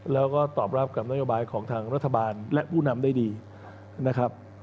แล้วก็ตอบรับกับนโยบายของทางรัฐบาลและผู้นำได้ดีนะครับ